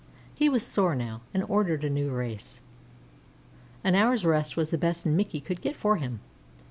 He was sore now, and ordered a new race. An hour's rest was the best Mickey could get for him.